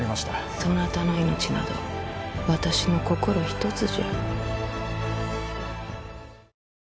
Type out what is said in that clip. そなたの命など私の心ひとつじゃ。